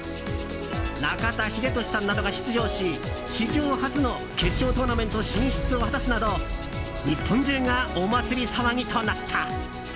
中田英寿さんなどが出場し史上初の決勝トーナメント進出を果たすなど日本中がお祭り騒ぎとなった。